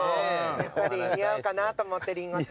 やっぱり似合うかなと思ってりんごちゃん。